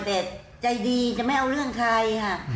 แต่ใจดีจะไม่เอาเรื่องใครค่ะ